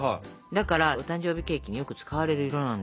だからお誕生日ケーキによく使われる色なんですよ。